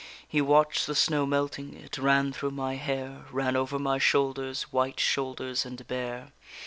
He watch'd the snow melting, it ran through my hair, Ran over my shoulders, white shoulders and bare.